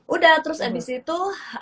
udah terus abis itu